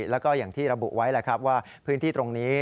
แล้วก็อย่างที่ระบุไว้แหละครับว่าพื้นที่ตรงนี้